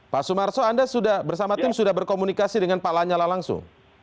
pak sumarso anda sudah bersama tim sudah berkomunikasi dengan pak lanyala langsung